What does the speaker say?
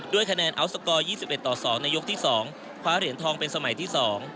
คะแนนอัลสกอร์๒๑ต่อ๒ในยกที่๒คว้าเหรียญทองเป็นสมัยที่๒